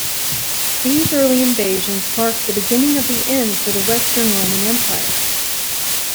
These early invasions marked the beginning of the end for the Western Roman Empire.